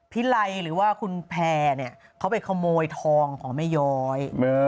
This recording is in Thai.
ไลหรือว่าคุณแพร่เนี่ยเขาไปขโมยทองของแม่ย้อย